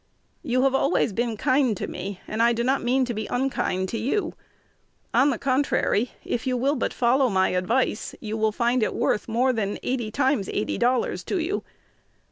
You have always been kind to me, and I do not mean to be unkind to you. On the contrary, if you will but follow my advice, you will find it worth more than eighty times eighty dollars to you.